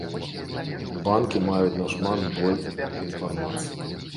Банкі маюць нашмат боль інфармацыі.